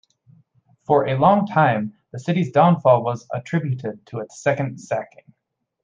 For a long time, the city's downfall was attributed to its second sacking.